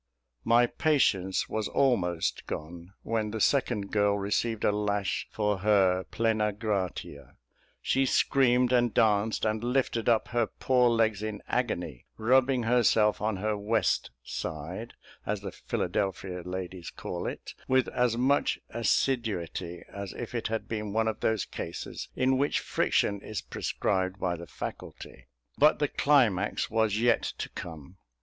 My patience was almost gone when the second girl received a lash for her "Plena Gratia." She screamed, and danced, and lifted up her poor legs in agony, rubbing herself on her "west" side, as the Philadelphia ladies call it, with as much assiduity as if it had been one of those cases in which friction is prescribed by the faculty. But the climax was yet to come.